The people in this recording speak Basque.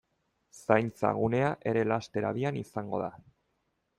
Zaintza gunea ere laster abian izango da.